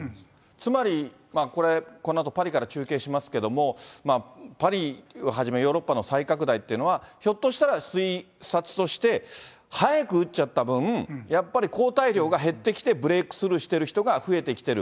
つまりこれ、このあとパリから中継しますけれども、パリをはじめ、ヨーロッパの再拡大っていうのは、ひょっとしたら、推察として、早く打っちゃった分、やっぱり抗体量が減ってきて、ブレークスルーしてる人が増えてきてる。